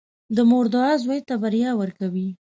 • د مور دعا زوی ته بریا ورکوي.